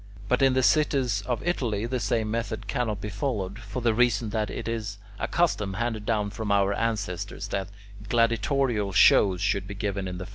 But in the cities of Italy the same method cannot be followed, for the reason that it is a custom handed down from our ancestors that gladiatorial shows should be given in the forum.